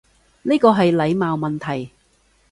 呢個係禮貌問題